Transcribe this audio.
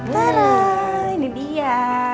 taraaa ini dia